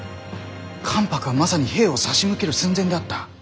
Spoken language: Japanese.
関白はまさに兵を差し向ける寸前であった。